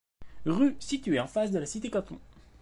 Rue située en face de la Cité Caton.